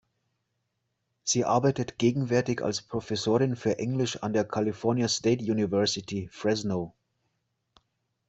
Sie arbeitet gegenwärtig als Professorin für Englisch an der California State University, Fresno.